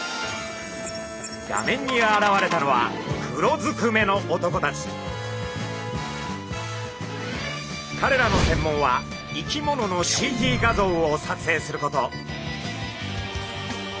画面に現れたのはかれらの専門は生き物のＣＴ画像を撮影すること。